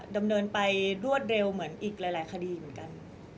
ดำเนินไปรวดเร็วเหมือนอีกหลายคดีเหมือนกัน